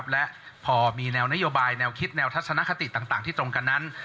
และพอมีแนวนโยบายแนวคิดแนวทัศนคติต่างที่ตรงกันนั้น